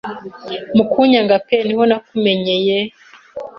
Mu kunyanga pe ni ho nakumenye yr